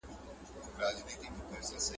ځوان متشبثین هڅه کولی شي.